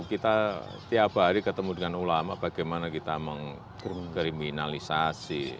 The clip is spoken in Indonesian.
kita tiap hari ketemu dengan ulama bagaimana kita mengkriminalisasi